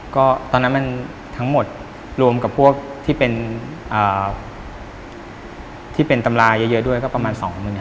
ก็ตอนนั้นมันทั้งหมดรวมกับพวกที่เป็นตำราเยอะด้วยก็ประมาณ๒๐๐